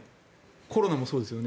コロナもそうですよね。